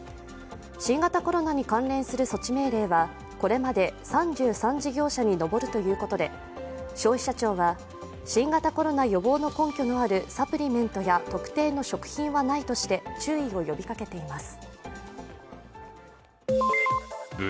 新型コロナに関連する措置命令はこれまで３３事業者に上るということで、消費者庁は、新型コロナ予防の根拠のあるサプリメントや特定の食品はないとして注意を呼びかけています。